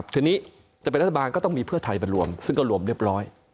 ทีนี้จะเป็นรัฐบาลก็ต้องมีเพื่อไทยไปรวมซึ่งก็รวมเรียบร้อย